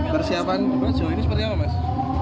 persiapan sejauh ini seperti apa mas